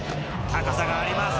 高さがあります。